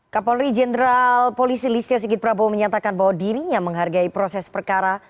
kapolri jenderal polisi listio sigit prabowo menyatakan bahwa dirinya menghargai proses perkara